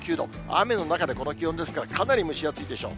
雨の中でこの気温ですから、かなり蒸し暑いでしょう。